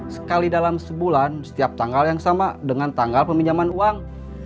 sekali dalam sebulan setiap tanggal yang sama dengan tanggal peminjaman uang